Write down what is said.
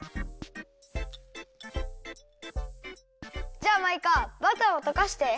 じゃあマイカバターをとかして。